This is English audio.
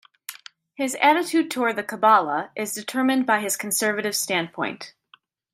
His attitude toward the Kabbalah is determined by his conservative standpoint.